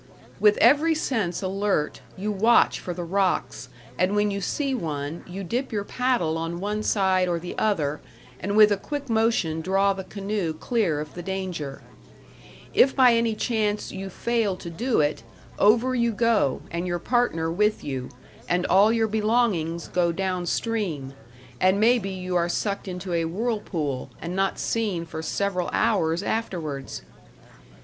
With every sense alert, you watch for the rocks, and when you see one, you dip your paddle on one side or the other and with a quick motion draw the canoe clear of the danger. If by any chance you fail to do it, over you go, and your partner with you, and all your belongings go down stream, and maybe you are sucked into a whirlpool, and not seen for several hours afterwards.